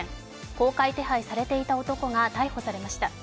公開手配されていた男が逮捕されました。